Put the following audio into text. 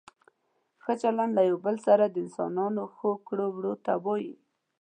ښه چلند له یو بل سره د انسانانو ښو کړو وړو ته وايي.